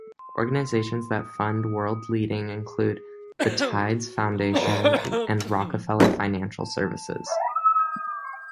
Organizations that fund World Learning include the Tides Foundation and Rockefeller Financial Services.